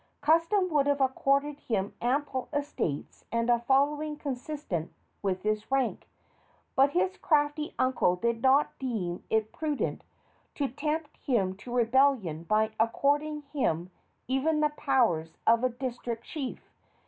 Custom would have accorded him ample estates and a following consistent with his rank; but his crafty uncle did not deem it prudent to tempt him to rebellion by according him even the powers of a district chief.